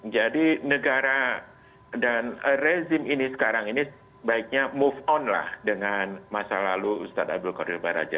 jadi negara dan rezim ini sekarang ini baiknya move on lah dengan masa lalu ustadz abdul qadir baraja